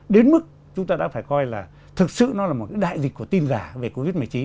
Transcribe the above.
đến mức chúng ta đã phải coi là thực sự nó là một đại dịch của tin giả về covid một mươi chín